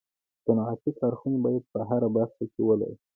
صنعتي کارخوني باید په هره برخه کي ولرو